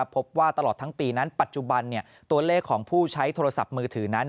พบว่าตลอดทั้งปีนั้นปัจจุบันตัวเลขของผู้ใช้โทรศัพท์มือถือนั้น